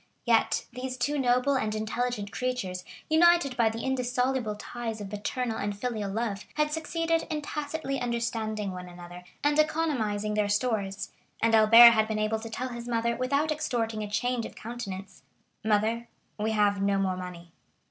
Yet these two noble and intelligent creatures, united by the indissoluble ties of maternal and filial love, had succeeded in tacitly understanding one another, and economizing their stores, and Albert had been able to tell his mother without extorting a change of countenance: "Mother, we have no more money."